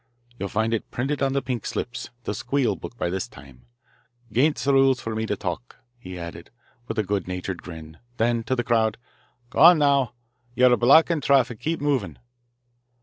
You'll find it printed on the pink slips the 'squeal book' by this time. 'Gainst the rules for me to talk," he added with a good natured grin, then to the crowd: "G'wan, now. You're blockin' traffic. Keep movin'."